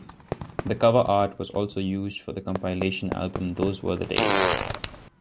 The cover art was also used for the compilation album "Those Were the Days".